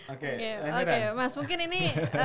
oke mas mungkin ini